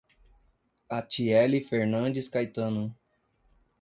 Atiele Fernandes Caetano